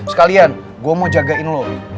sekalian gue mau jagain lori